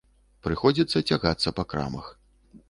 Прыходзіцца цягацца па крамах.